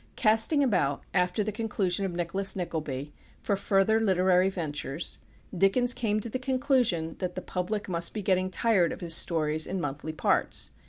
Casting about, after the conclusion of "Nicholas Nickleby," for further literary ventures, Dickens came to the conclusion that the public must be getting tired of his stories in monthly parts.